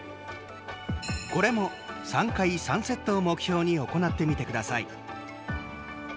これも３回、３セットを目標に行ってみてください。